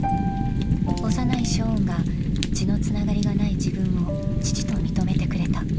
［幼いショーンが血のつながりがない自分を父と認めてくれた］